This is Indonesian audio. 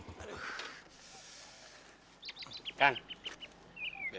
kamu sesuai dengan impossible